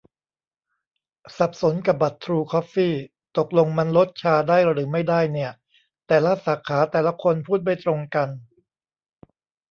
สับสนกับบัตรทรูคอฟฟี่ ตกลงมันลด ชา ได้หรือไม่ได้เนี่ย แต่ละสาขาแต่ละคนพูดไม่ตรงกัน